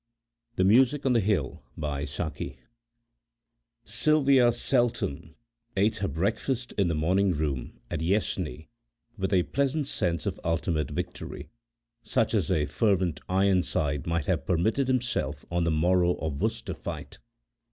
THE MUSIC ON THE HILL Sylvia Seltoun ate her breakfast in the morning room at Yessney with a pleasant sense of ultimate victory, such as a fervent Ironside might have permitted himself on the morrow of Worcester fight.